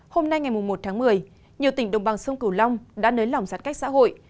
hôm nay ngày một tháng một mươi nhiều tỉnh đồng bằng sông cửu long đã nới lỏng giãn cách xã hội